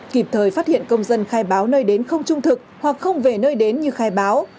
kịp thời phát hiện công dân khai báo nơi đến không trung thực hoặc không về nơi đến như khai báo